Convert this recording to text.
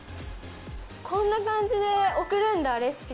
こんな感じで送るんだレシピとか。